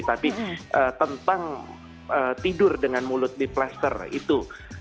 tapi tentang tidur dengan mulut di plaster itu